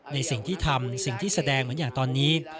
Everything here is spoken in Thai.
ในสิ่งที่ทำสิ่งที่แสดงเหมือนอย่างตอนนี้